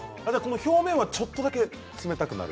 表面はちょっとだけ冷たくなる。